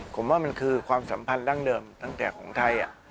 ผมว่ามันคือความสัมพันธ์ดั้งเดิมตั้งแต่ของไทย